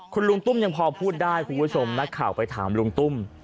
คุณลุงตุ้มยังพอพูดได้คุณผู้ชมนักข่าวไปถามลุงตุ้ม